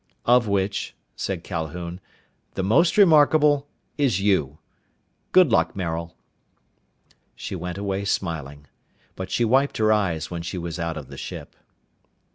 "Of which," said Calhoun, "the most remarkable is you. Good luck, Maril!" She went away smiling. But she wiped her eyes when she was out of the ship.